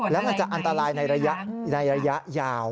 แล้วมันจะอันตรายในระยะยาว